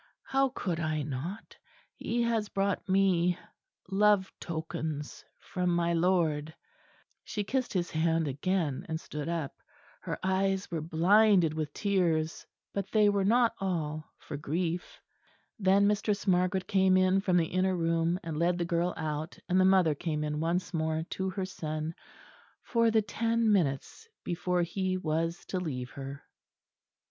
How could I not? He has brought me love tokens from my Lord." She kissed his hand again, and stood up; her eyes were blinded with tears; but they were not all for grief. Then Mistress Margaret came in from the inner room, and led the girl out; and the mother came in once more to her son for the ten minutes before he was to leave her.